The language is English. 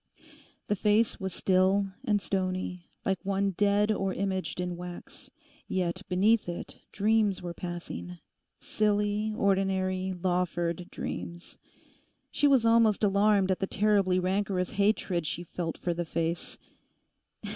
The face was still and stony, like one dead or imaged in wax, yet beneath it dreams were passing—silly, ordinary Lawford dreams. She was almost alarmed at the terribly rancorous hatred she felt for the face...